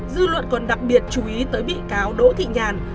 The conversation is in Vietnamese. dư luận còn đặc biệt chú ý tới bị cáo đỗ thị nhàn